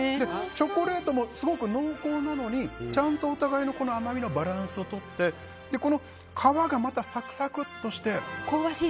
チョコレートもすごく濃厚なのにちゃんとお互いの甘みのバランスをとってこの皮がまたサクサクッとして。